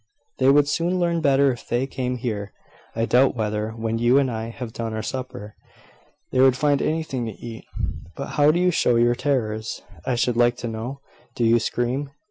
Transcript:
"They would soon learn better if they came here. I doubt whether, when you and I have done our supper, they would find anything to eat. But how do you show your terrors, I should like to know? Do you scream?"